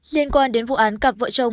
liên quan đến vụ án cặp vợ chồng